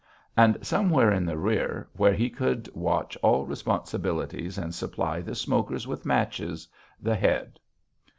And somewhere in the rear, where he could watch all responsibilities and supply the smokers with matches, the Head.